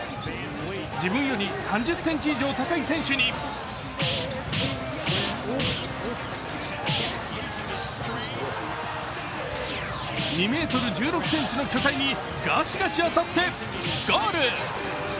自分より３０ｃｍ以上高い選手に２ｍ１６ｃｍの巨体にガシガシ当たって、ゴール。